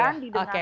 oke mbak desi